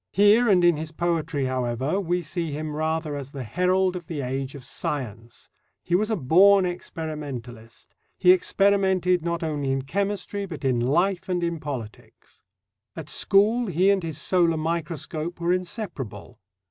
Here and in his poetry, however, we see him rather as the herald of the age of science: he was a born experimentalist; he experimented, not only in chemistry, but in life and in politics. At school, he and his solar microscope were inseparable.